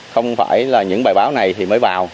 không phải là những bài báo này thì mới vào